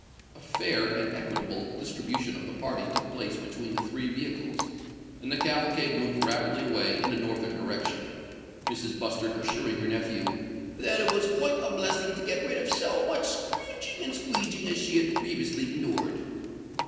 A fair and equitable distribution of the party took place between the three vehicles; and the cavalcade moved rapidly away in a northern direction, Mrs. Bustard assuring her nephew "that it was quite a blessing to get rid of so much scrooging and squeeging as she had previously endured."